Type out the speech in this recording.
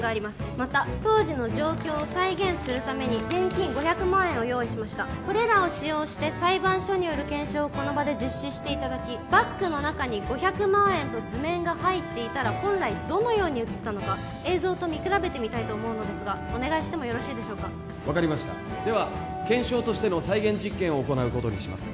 また当時の状況を再現するために現金５００万円を用意しましたこれらを使用して裁判所による検証をこの場で実施していただきバッグの中に５００万円と図面が入っていたら本来どのように写ったのか映像と見比べてみたいと思うのですがお願いしてもよろしいでしょうか分かりましたでは検証としての再現実験を行うことにします